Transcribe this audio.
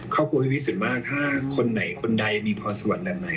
เขาพูดให้พี่พีชสุดมากถ้าคนไหนคนใดมีพรสวรรค์แบบไหน